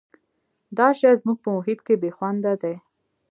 دا شی زموږ په محیط کې بې خونده دی.